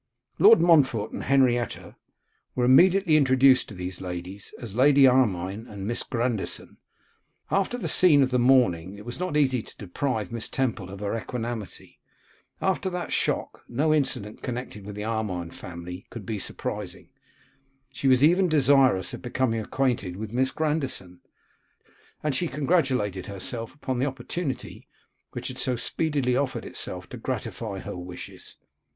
Lord Montfort and Henrietta were immediately introduced to these ladies, as Lady Armine and Miss Grandison. After the scene of the morning, it was not easy to deprive Miss Temple of her equanimity; after that shock, no incident connected with the Armine family could be surprising; she was even desirous of becoming acquainted with Miss Grandison, and she congratulated herself upon the opportunity which had so speedily offered itself to gratify her wishes.